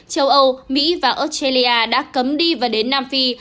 châu âu mỹ và australia đã cấm đi và đến nam phi